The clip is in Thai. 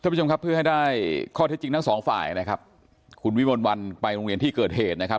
ผู้ชมครับเพื่อให้ได้ข้อเท็จจริงทั้งสองฝ่ายนะครับคุณวิมลวันไปโรงเรียนที่เกิดเหตุนะครับ